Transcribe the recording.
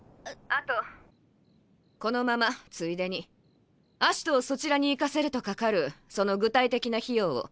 あとこのままついでに葦人をそちらに行かせるとかかるその具体的な費用を。